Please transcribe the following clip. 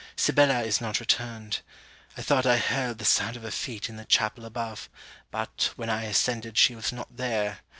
Sibella is not returned. I thought I heard the sound of her feet in the chapel above; but, when I ascended, she was not there.